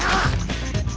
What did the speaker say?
aku mau lihat